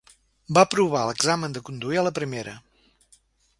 Va aprovar l'examen de conduir a la primera.